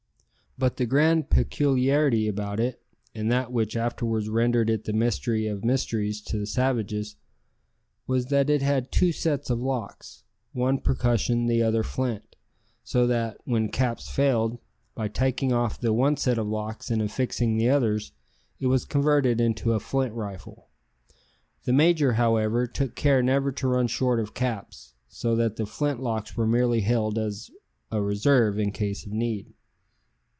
But the grand peculiarity about it, and that which afterwards rendered it the mystery of mysteries to the savages, was that it had two sets of locks one percussion, the other flint so that, when caps failed, by taking off the one set of locks and affixing the others, it was converted into a flint rifle. The major, however, took care never to run short of caps, so that the flint locks were merely held as a reserve in case of need.